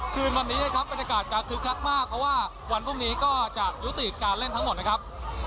คืนวันนี้นะครับบรรยากาศจะคึกคักมากเพราะว่าวันพรุ่งนี้ก็จะยุติการเล่นทั้งหมดนะครับ